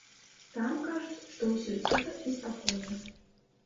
Там, кажуць, што ўсё ціха і спакойна.